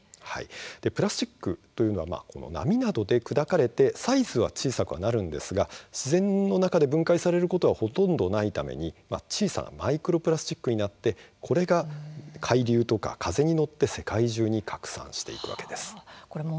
プラスチックというのは波などで砕かれてサイズは小さくなるんですが自然の中で分解されることはほとんどないために小さなマイクロプラスチックになって、これが海流とか風に乗って世界中に拡散しているわけです。